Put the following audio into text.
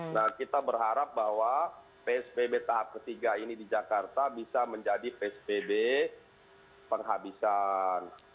nah kita berharap bahwa psbb tahap ketiga ini di jakarta bisa menjadi psbb penghabisan